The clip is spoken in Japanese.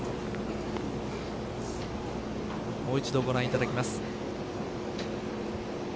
もう一度ご覧いただきます。